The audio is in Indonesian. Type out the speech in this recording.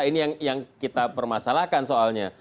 ini yang kita permasalahkan soalnya